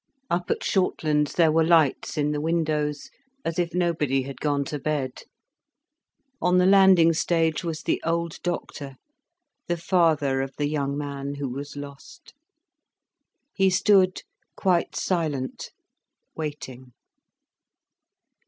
Up at Shortlands there were lights in the windows, as if nobody had gone to bed. On the landing stage was the old doctor, the father of the young man who was lost. He stood quite silent, waiting.